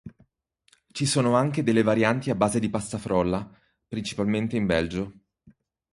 Ci sono anche delle varianti a base di pasta frolla, principalmente in Belgio.